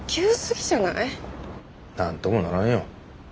何ともならんよ。